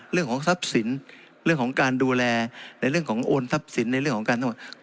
เรื่องของทรัพย์สินเรื่องของการดูแลในเรื่องของโอนทรัพย์สินในเรื่องของการทั้งหมด